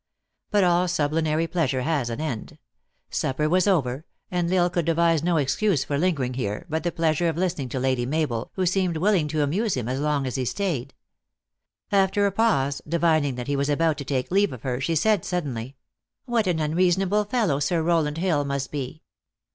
But all sublunary pleasure has an end. Supper was over, and L Isle could devise no excuse for linger ing here, but the pleasure of listening to Lady Mabel, who seemed willing to amuse him as long as he staid. After a pause, divining that he was about to take leave of her, she said suddenly :" What an unreason able fellow Sir Rowland Hill must be